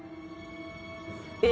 え！